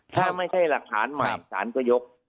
ถ้าไม่ใช่หลักฐานใหม่สารก็ยก